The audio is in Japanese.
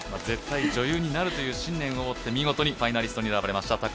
絶対女優になるという信念を持って、見事にファイナリストに選ばれました。